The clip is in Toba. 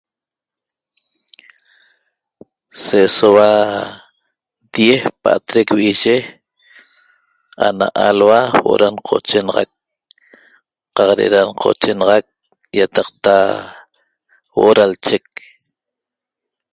Se'esoua diez pa'atec vi'i'ye ana alhua huo da nqochenaxac qaq de'eda nqochexanac ýataqta huo'o da lchec